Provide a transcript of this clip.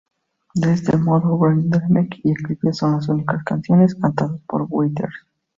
De este modo, Brain Damage y Eclipse son las únicas canciones cantadas por Waters.